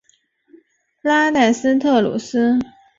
拉代斯特鲁斯。